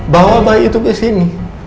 bawa bayi itu ke sini